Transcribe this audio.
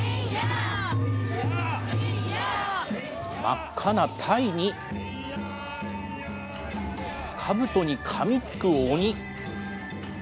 真っ赤なタイに、かぶとにかみつく鬼。